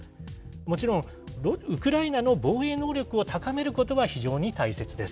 もちろんウクライナの防衛能力を高めることは非常に大切です。